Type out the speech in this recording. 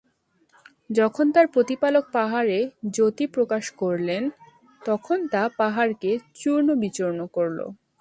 যখন তার প্রতিপালক পাহাড়ে জ্যোতি প্রকাশ করলেন, তখন তা পাহাড়কে চূর্ণ-বিচূর্ণ করল।